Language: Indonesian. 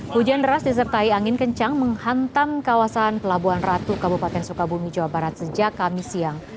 hujan deras disertai angin kencang menghantam kawasan pelabuhan ratu kabupaten sukabumi jawa barat sejak kamis siang